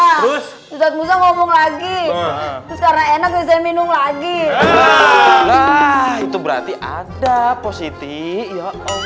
terus ustadz ustadz ngomong lagi terus karena enak saya minum lagi lah itu berarti ada positi ya allah